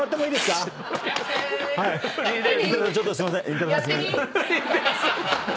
さんすいません。